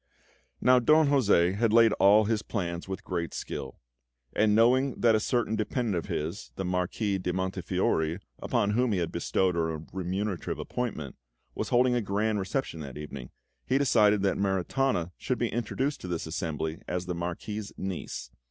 Now Don José had laid all his plans with great skill; and knowing that a certain dependent of his, the Marquis de Montefiori, upon whom he had bestowed a remunerative appointment, was holding a grand reception that evening, he decided that Maritana should be introduced to this assembly as the Marquis's niece.